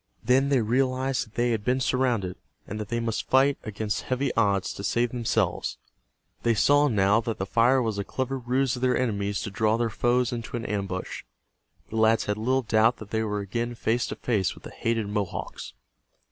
Then they realized that they had been surrounded, and that they must fight against heavy odds to save themselves. They saw now that the fire was a clever ruse of their enemies to draw their foes into an ambush. The lads had little doubt that they were again face to face with the hated Mohawks.